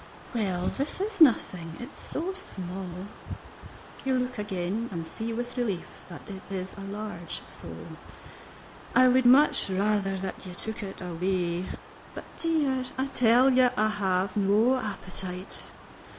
"Well, this is nothing, it is so small." You look again, and see with relief that it is a large sole. "I would much rather that you took it away." "But, dear " "I tell you I have no appetite."